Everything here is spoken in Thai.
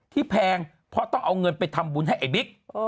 แพงเพราะต้องเอาเงินไปทำบุญให้ไอ้บิ๊ก